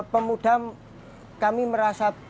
pemudam kami merasa